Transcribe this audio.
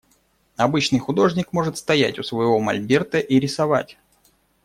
Обычный художник может стоять у своего мольберта и рисовать.